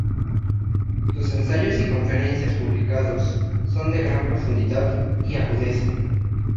Sus ensayos y conferencias publicados son de gran profundidad y agudeza.